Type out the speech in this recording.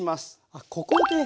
あここで。